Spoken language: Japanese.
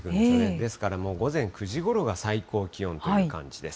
ですから、もう午前９時ごろが最高気温という感じです。